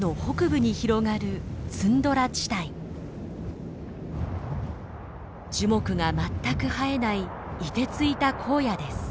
樹木が全く生えないいてついた荒野です。